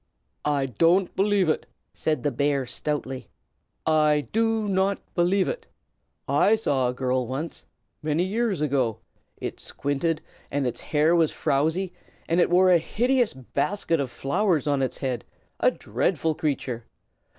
"I don't believe it!" said the bear, stoutly. "I do not believe it! I saw a girl once many years ago; it squinted, and its hair was frowzy, and it wore a hideous basket of flowers on its head, a dreadful creature!